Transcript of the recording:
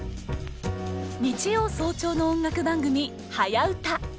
日曜早朝の音楽番組「はやウタ」。